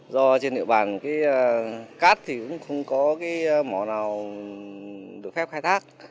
do trên địa bàn cát thì cũng không có cái mỏ nào được phép khai thác